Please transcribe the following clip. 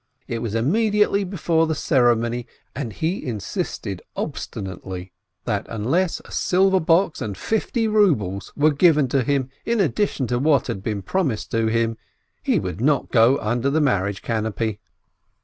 It was immediately before the ceremony, and he insisted obstinately that unless a silver box and fifty rubles were given to him in addition to what had been promised to him, he would not go under the marriage canopy